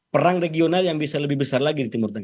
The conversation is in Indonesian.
perang regional yang bisa lebih besar lagi di timur tengah